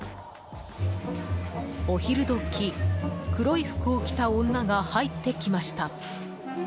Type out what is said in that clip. お昼時、黒い服を着た女が入ってきました。